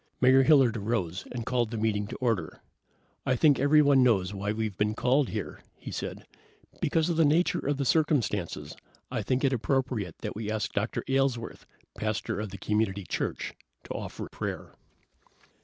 Mayor Hilliard arose and called the meeting to order. "I think everyone knows why we've been called here," he said. "Because of the nature of the circumstances I think it appropriate that we ask Dr. Aylesworth, pastor of the Community Church, to offer prayer."